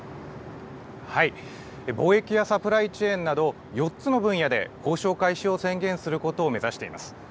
貿易やサプライチェーンなど４つの分野で交渉開始を宣言することを目指しています。